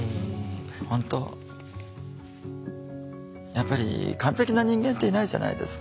やっぱり完璧な人間っていないじゃないですか。